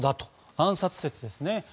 暗殺説ですね。